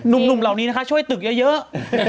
หนุ่มเหล่านี้นะคะช่วยตึกเยอะ